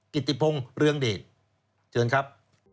กิติพงศ์เรืองเดชเชิญครับ